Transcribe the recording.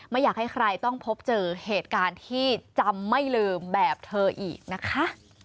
ไม่อยากให้ใครต้องพบเจอเหตุการณ์ที่จำไม่ลืมแบบเธออีกนะคะ